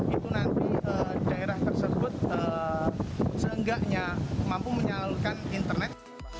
itu nanti daerah tersebut seenggaknya mampu menyalurkan internet